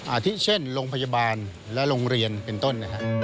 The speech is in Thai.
อาทิเช่นโรงพยาบาลและโรงเรียนเป็นต้นนะฮะ